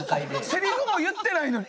セリフも言ってないのに？